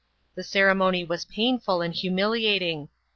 The ceremony was painful and humiliating.